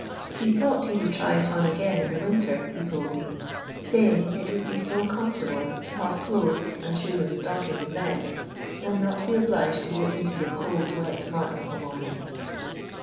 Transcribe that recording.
He thought he would try it on again in the winter, he told me, saying, it would be so comfortable to have clothes and shoes , and stockings tlien, and not bo obliged to go into the cold wet mud of a morning.